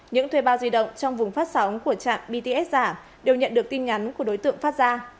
những thuê bao di động trong vùng phát sóng của trạm bts giả đều nhận được tin nhắn của đối tượng phát ra